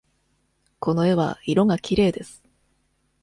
この絵は色がきれいです。